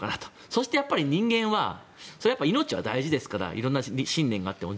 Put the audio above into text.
そして、人間は命は大事ですから色んな信念があっても。